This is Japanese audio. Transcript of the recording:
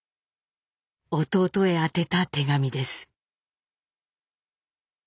弟へ宛てた手紙です。